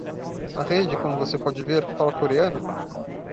A rede, como você pode ver, fala coreano?